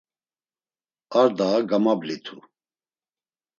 Ar daa gamablitu.